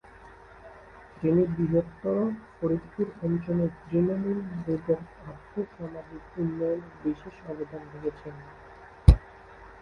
তিনি বৃহত্তর ফরিদপুর অঞ্চলের তৃণমূল নারীদের আর্থ-সামাজিক উন্নয়নে বিশেষ অবদান রেখেছেন।